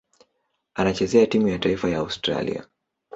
Anachezea timu ya taifa ya Australia.